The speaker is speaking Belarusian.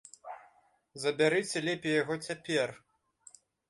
Забярыце лепей яго цяпер!